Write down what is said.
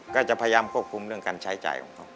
ก็จะพยายามควบคุมเรื่องการใช้จ่ายของเขา